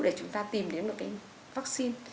để chúng ta tìm đến được cái vaccine